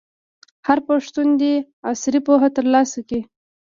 هر پښتون دي عصري پوهه ترلاسه کړي.